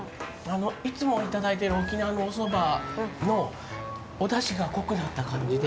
いつもいただいてる沖縄のおそばのお出汁が濃くなった感じで。